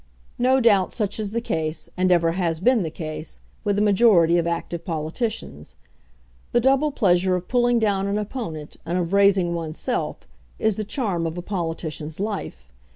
No doubt such is the case, and ever has been the case, with the majority of active politicians. The double pleasure of pulling down an opponent, and of raising oneself, is the charm of a politician's life.